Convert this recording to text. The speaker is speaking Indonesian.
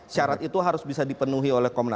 syarat itu harus bisa dipenuhi